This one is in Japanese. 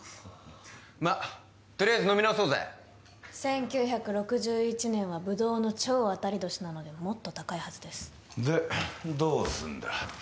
まっとりあえず飲み直そうぜ１９６１年は葡萄の超当たり年なのでもっと高いはずですでどうすんだ？